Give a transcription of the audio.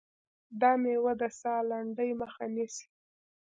دا مېوه د ساه لنډۍ مخه نیسي.